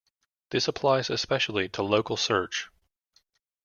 This applies especially to local search.